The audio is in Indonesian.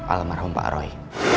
alam marahum pak roy